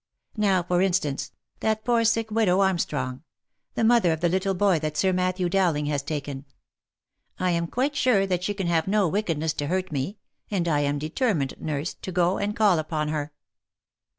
Now, for instance, that poor sick widow Armstrong — the mother of the little boy that Sir Matthew Dowling has taken ; I am quite sure that she can have no wickedness to hurt me — and I am determined, nurse, to go and call upon her."